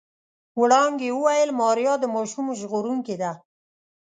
وړانګې وويل ماريا د ماشوم ژغورونکې ده.